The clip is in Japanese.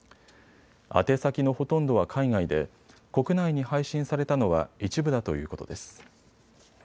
宛先のほとんどは海外で国内に配信されたのは一部だということです。